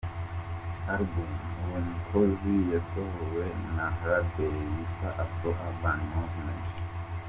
Album ’Urukumbuzi’ yasohowe na label yitwa Afro Urban Movement.